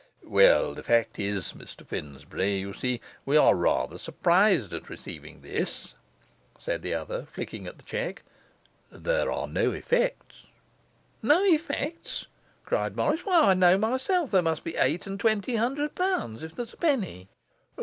'Well, the fact is, Mr Finsbury, you see we are rather surprised at receiving this,' said the other, flicking at the cheque. 'There are no effects.' 'No effects?' cried Morris. 'Why, I know myself there must be eight and twenty hundred pounds, if there's a penny.